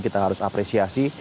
kita harus apresiasi